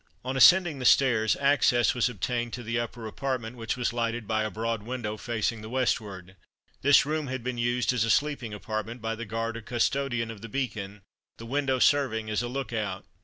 On ascending the stairs access was obtained to the upper apartment which was lighted by a broad window facing the westward. This room had been used as a sleeping apartment by the guard or custodian of the Beacon, the window serving as a look out.